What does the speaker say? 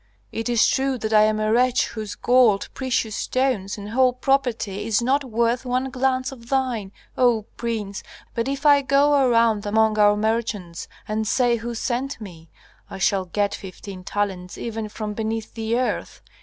It is true that I am a wretch whose gold, precious stones, and whole property is not worth one glance of thine, O prince, but if I go around among our merchants and say who sent me, I shall get fifteen talents even from beneath the earth.